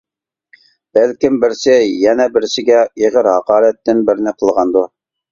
بەلكىم، بىرسى يەنە بىرسىگە ئېغىر ھاقارەتتىن بىرنى قىلغاندۇ.